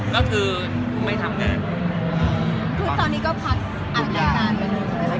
ก็คือไม่ทำงาน